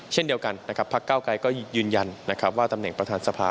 เช่นเดียวกันพักเก้าไกรก็ยืนยันว่าตำแหน่งประธานสภา